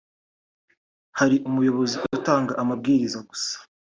Hari umuyobozi utanga amabwiriza gusa